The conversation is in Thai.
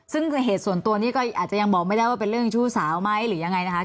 ซึ่งเหตุส่วนตัวนี้ก็อาจจะยังบอกไม่ได้ว่าเป็นเรื่องชู้สาวไหมหรือยังไงนะคะ